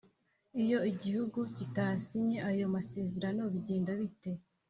iyo igihugu kitasinye ayo masererano bigenda bite